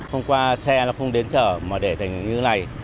hôm qua xe nó không đến chở mà để thành như này